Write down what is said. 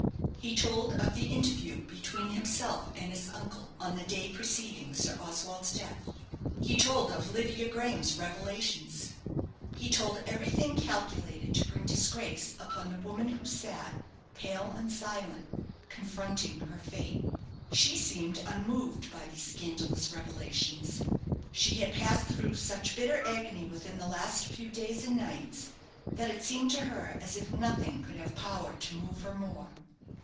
He told of the interview between himself and his uncle, on the day preceding Sir Oswald's death. He told of Lydia Graham's revelations he told everything calculated to bring disgrace upon the woman who sat, pale and silent, confronting her fate. She seemed unmoved by these scandalous revelations. She had passed through such bitter agony within the last few days and nights, that it seemed to her as if nothing could have power to move her more.